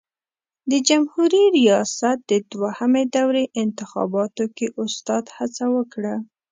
د جمهوري ریاست د دوهمې دورې انتخاباتو کې استاد هڅه وکړه.